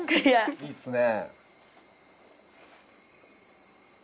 いいっすね。